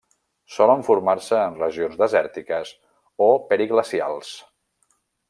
Solen formar-se en regions desèrtiques o periglacials.